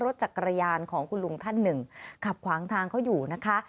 รถจักรยานของคุณลุงท่านหนึ่งขับขวางทางเขาอยู่นะคะ